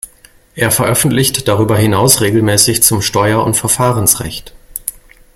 Er veröffentlicht darüber hinaus regelmäßig zum Steuer- und Verfahrensrecht.